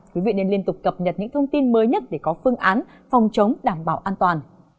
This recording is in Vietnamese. quý vị nên liên tục cập nhật những thông tin mới nhất để có phương án phòng chống đảm bảo an toàn